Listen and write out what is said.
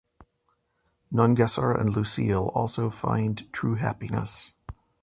Nungesser and Lucille also find true happiness.